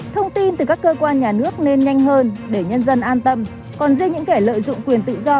thông tin từ các cơ quan nhà nước nên nhanh hơn để nhân dân an tâm còn riêng những kẻ lợi dụng quyền tự do